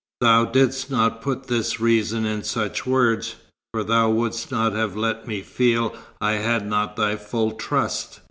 Thou didst not put this reason in such words, for thou wouldst not have let me feel I had not thy full trust.